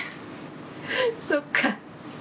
そっか。